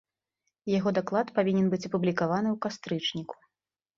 Яго даклад павінен быць апублікаваны ў кастрычніку.